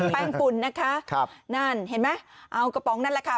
แป้งฝุ่นนะคะครับนั่นเห็นไหมเอากระป๋องนั่นแหละค่ะ